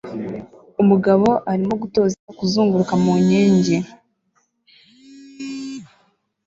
Umugabo arimo gutoza imbwa kuzunguruka mu nkingi